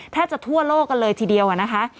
แทบจะทั่วโลกกันเลยทีเดียวนะคะ